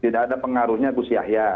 tidak ada pengaruhnya gus yahya